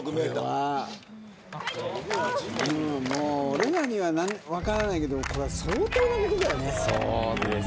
俺らには分からないけど相当なことだよね。